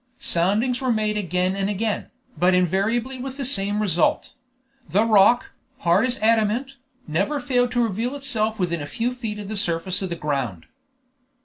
Soundings were made again and again, but invariably with the same result; the rock, hard as adamant, never failed to reveal itself within a few feet of the surface of the ground.